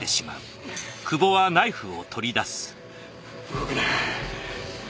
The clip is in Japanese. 動くな。